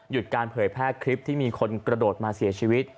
การเผยแพร่คลิปที่มีคนกระโดดมาเสียชีวิต